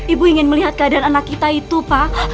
ibu ingin melihat keadaan anak kita itu pak